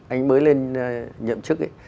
anh mới lên nhậm chức ấy